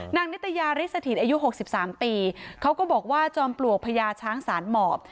นิตยาริสถิตอายุ๖๓ปีเขาก็บอกว่าจอมปลวกพญาช้างศาลหมอบ